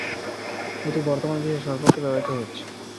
এটি বর্তমানে বিশ্বের সর্বত্র ব্যবহৃত হচ্ছে।